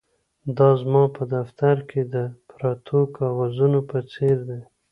دا زما په دفتر کې د پرتو کاغذونو په څیر دي